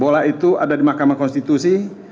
bola itu ada di mahkamah konstitusi